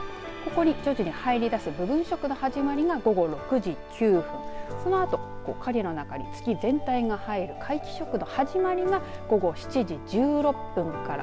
ここに徐々に入り出す部分食が午後６時９分ごろそのあと影の中に月全体が入る皆既食の始まりが午後７時１６分から。